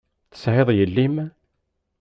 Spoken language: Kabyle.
Tesεiḍ yelli-m?